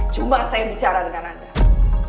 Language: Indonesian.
cuma saya bicara dengan anda